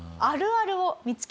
あるある。